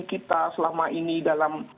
kita selama ini dalam